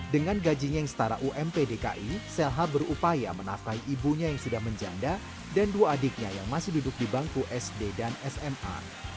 dengan gajinya yang setara ump dki selha berupaya menafkai ibunya yang sudah menjanda dan dua adiknya yang masih duduk di bangku sd dan sma